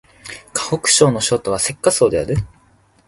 河北省の省都は石家荘である